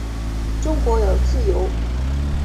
中国有自由和民主